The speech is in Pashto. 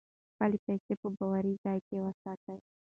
خپلې پیسې په باوري ځای کې وساتئ.